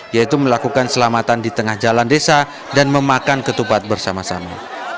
yaitu melakukan selamatan di tengah jalan desa dan memakan ketupat bersama sama